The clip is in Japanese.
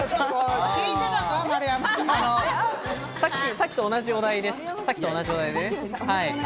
さっきと同じお題ですよ。